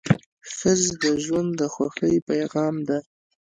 ښځه د ژوند د خوښۍ پېغام ده.